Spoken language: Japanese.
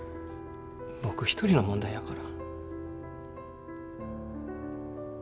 僕一人の問題やから。